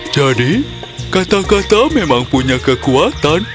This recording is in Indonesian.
jadi kata kata memang punya kekuatan